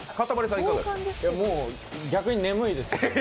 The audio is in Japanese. いやもう、逆に眠いです。